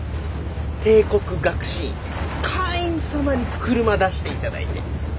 帝国学士院会員様に車出していただいて。